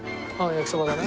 焼きそばですね。